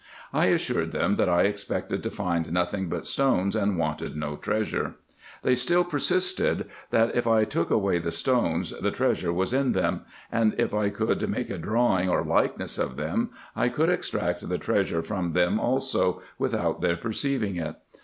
I assured them that I expected to find nothing but stones, and wanted no treasure. They still persisted, that, if I took away the stones, the treasure was in them ; and, if I could make a drawing, or likeness of them, I could extract the treasure from them also, without their perceiving it.